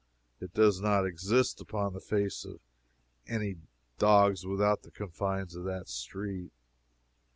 It does not exist upon the face of any dog without the confines of that street.